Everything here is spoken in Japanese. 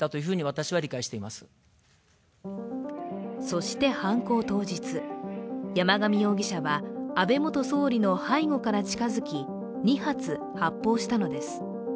そして、犯行当日山上容疑者は安倍元総理の背後から近づき２発、発砲したのです。